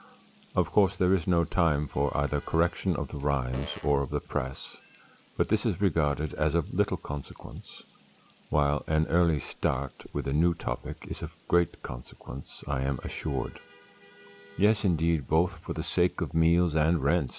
Of course there is no time for either correction of the rhymes or of the press; but this is regarded as of little consequence, while an early "start" with a new topic is of great consequence, I am assured; "Yes, indeed, both for the sake of meals and rents."